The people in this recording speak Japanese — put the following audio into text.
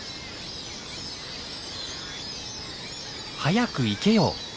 「早く行けよ！」